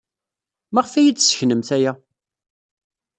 Maɣef ay iyi-d-tesseknemt aya?